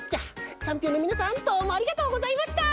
チャンピオンのみなさんどうもありがとうございました！